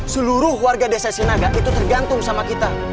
seluruh warga desa sinaga itu tergantung sama kita